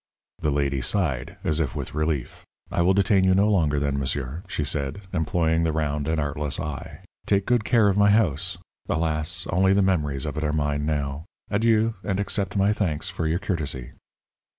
The lady sighed, as if with relief. "I will detain you no longer then, monsieur," she said, employing the round and artless eye. "Take good care of my house. Alas! only the memories of it are mine now. Adieu, and accept my thanks for your courtesy."